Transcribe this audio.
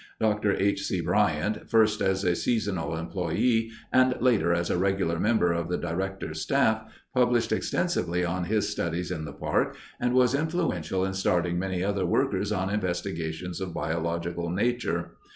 Dr. H. C. Bryant, first as a seasonal employee and later as a regular member of the Director's staff, published extensively on his studies in the park and was influential in starting many other workers on investigations of biological nature.